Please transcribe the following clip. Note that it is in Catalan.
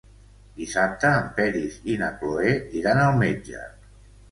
Dissabte en Peris i na Cloè iran al metge.